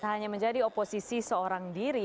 tak hanya menjadi oposisi seorang diri